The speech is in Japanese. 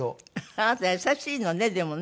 あなた優しいのねでもね。